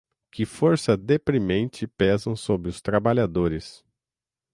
que força deprimente pesam sobre os trabalhadores